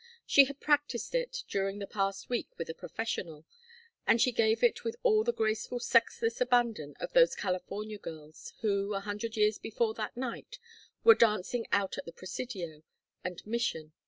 She had practised it during the past week with a professional, and she gave it with all the graceful sexless abandon of those California girls, who, a hundred years before that night, were dancing out at the Presidio and Mission.